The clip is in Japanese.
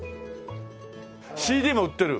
ＣＤも売ってる！